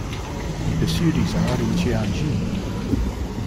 He pursued his art in Tianjin.